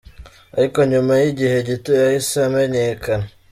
Ariko nyuma y’igihe gito yahise amenyekana.